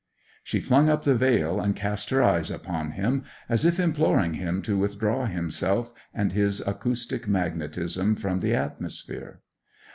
She flung up the veil, and cast her eyes upon him, as if imploring him to withdraw himself and his acoustic magnetism from the atmosphere.